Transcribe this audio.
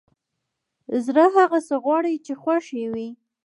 زړه هغه څه غواړي چې خوښ يې وي!